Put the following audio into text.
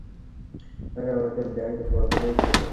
আরে, আমাদের ব্যান্ড বন্ধ হয়ে যাবে।